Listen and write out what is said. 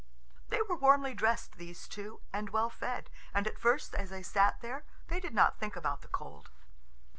They were warmly dressed, these two, and well fed, and at first, as they sat there, they did not think about the cold.